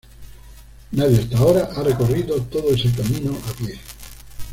Nadie hasta ahora ha recorrido todo ese camino a pie.